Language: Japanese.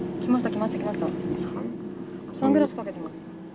来ましたサングラスかけてます。